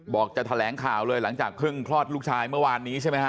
จะแถลงข่าวเลยหลังจากเพิ่งคลอดลูกชายเมื่อวานนี้ใช่ไหมฮะ